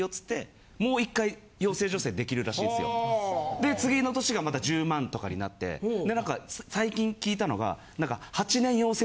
で次の年がまた１０万とかになってで何か最近聞いたのが。